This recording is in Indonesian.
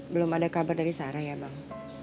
belum ada kabar dari sarah ya bang